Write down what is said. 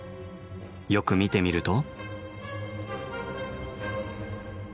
よく見てみると。